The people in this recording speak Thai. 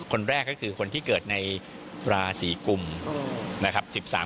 คนแรกก็คือคนที่เกิดในราศีกุมนะครับ